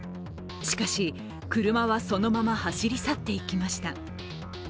しかし、車はそのまま走り去っていきました。